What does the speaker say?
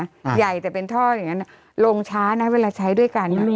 ใหญ่แต่เป็นท่ออย่างนั้นลงช้านะเวลาใช้ด้วยกัน